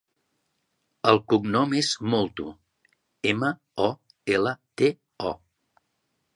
El cognom és Molto: ema, o, ela, te, o.